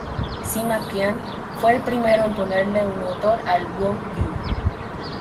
Sima Qian fue el primero en ponerle un autor al "Guo Yu".